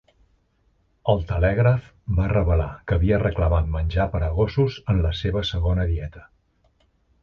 El "Telegraph" va revelar que havia reclamat menjar per a gossos en la seva segona dieta.